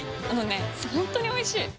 本当においしい！